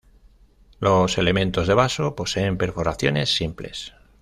Los elementos de vaso poseen perforaciones simples.